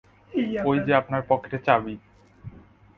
ওই যে আপনার পকেটে চাবি!